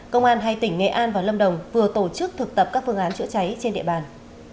công an hai tỉnh nghệ an và lâm đồng vừa tổ chức thực tập các phương án chữa cháy trên địa bàn